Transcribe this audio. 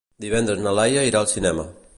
Divendres na Laia irà al cinema.